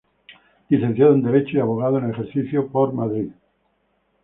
Licenciado en Derecho y Abogado en ejercicio en Madrid.